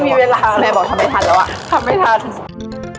มีขอเสนออยากให้แม่หน่อยอ่อนสิทธิ์การเลี้ยงดู